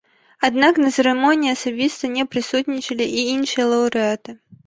Аднак на цырымоніі асабіста не прысутнічалі і іншыя лаўрэаты.